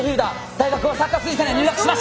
大学はサッカー推薦で入学しました！